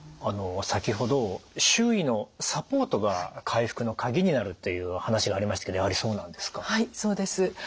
先ほど周囲のサポートが回復の鍵になるという話がありましたけどやはりそうなんですか？